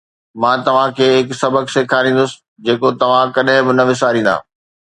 مان توهان کي هڪ سبق سيکاريندس جيڪو توهان ڪڏهن به نه وساريندا